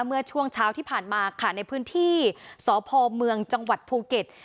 เมื่อช่วงเช้าที่ผ่านมาค่ะในพื้นที่สพเมืองจังหวัดภูเก็ต